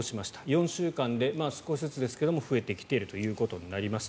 ４週間で少しずつですが増えてきていることになります。